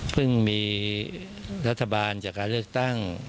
มีรัฐบาลจากการเลือกตั้ง